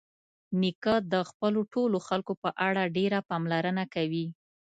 نیکه د خپلو ټولو خلکو په اړه ډېره پاملرنه کوي.